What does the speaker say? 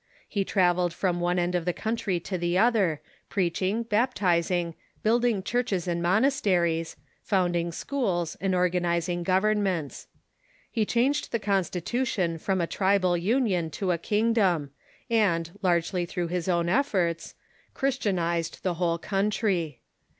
He travelled from one end of the country to the other, preaching, baptizing, building churches and monasteries, founding schools and organizing governments. He changed the constitution from a tribal union to a kingdom, and, largely through his own efforts. Christianized the whole country.